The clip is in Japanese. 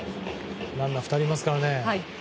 ランナー２人いますからね。